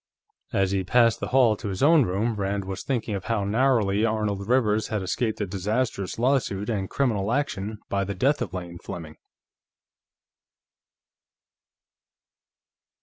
As he crossed the hall to his own room, Rand was thinking of how narrowly Arnold Rivers had escaped a disastrous lawsuit and criminal action by the death of Lane Fleming.